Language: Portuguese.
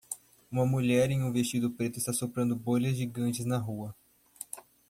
Uma mulher em um vestido preto está soprando bolhas gigantes na rua.